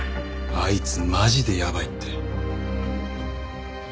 あいつマジでやばいって。